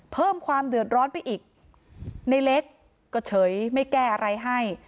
เพิ่มความเดือดร้อนไปอีกในเล็กก็เฉยไม่แก้อะไรให้